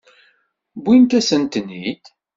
Wwint-asen-ten-id.